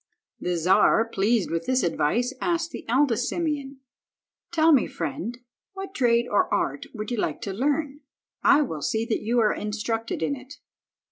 The Czar was pleased with this advice, and asked the eldest Simeon— "Tell me, friend, what trade or art would you like to learn? I will see that you are instructed in it."